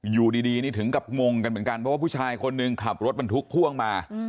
อยู่ดีนี่ถึงกับงงกันเหมือนกันเพราะว่าผู้ชายคนหนึ่งขับรถบรรทุกพ่วงมา